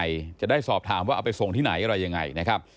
จะได้สอบถามว่าเอาไปส่งที่ไหนอะไรยังไงนะครับ